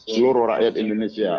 seluruh rakyat indonesia